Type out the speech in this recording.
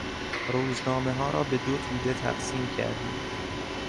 روزنامهها را به دو توده تقسیم کردیم.